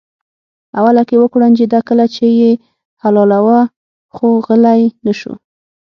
اوله کې وکوړنجېده کله چې یې حلالاوه خو غلی نه شو.